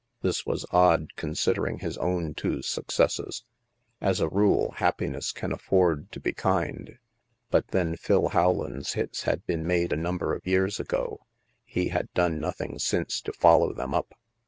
This was odd, considering his own two successes. As a rule, happiness can afford to be kind. But then, Phil Rowland's hits had been made a number of years ago ; he had done nothing since to follow them up.